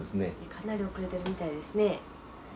かなり遅れてるみたいですね。